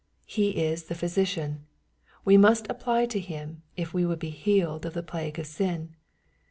He is the Physician : we must apply to Him, if we would be healed of the plague of sin.